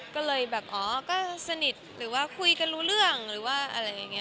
ก็เลยแบบอ๋อก็สนิทหรือว่าคุยกันรู้เรื่องหรือว่าอะไรอย่างนี้